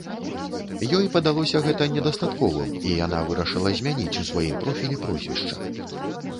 Ёй падалося гэта недастатковым, і яна вырашыла змяніць у сваім профілі прозвішча.